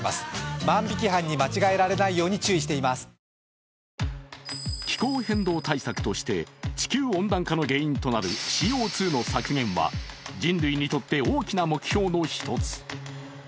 「東芝」気候変動対策として、地球温暖化の原因となるＣＯ２の削減は人類にとって大きな目標の１つ。